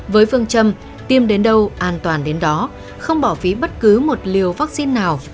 với phương châm tiêm đến đâu an toàn đến đó không bỏ phí bất cứ một liều vaccine nào